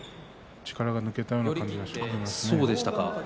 力が抜けたような感じでした。